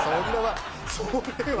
それは。